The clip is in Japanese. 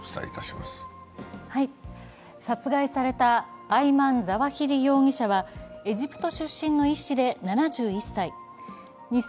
殺害されたアイマン・ザワヒリ容疑者はエジプト出身の医師で７１歳。